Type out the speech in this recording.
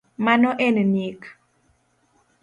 Mano en nik